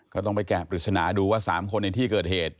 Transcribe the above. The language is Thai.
ก็ต้องไปแกะปริศนาดูว่า๓คนในที่เกิดเหตุ